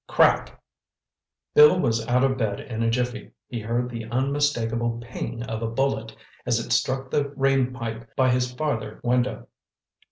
Crack! Bill was out of bed in a jiffy. He heard the unmistakable ping of a bullet as it struck the rainpipe by his farther window.